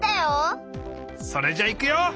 それじゃいくよ！